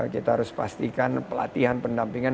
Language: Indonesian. kita harus pastikan pelatihan pendampingan